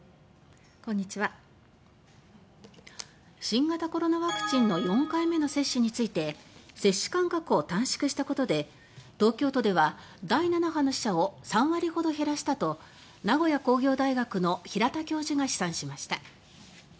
新型コロナワクチンの４回目の接種について接種間隔を短縮したことで東京都では第７波の死者を３割ほど減らしたと名古屋工業大学の平田教授が試算しました。